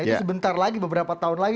itu sebentar lagi beberapa tahun lagi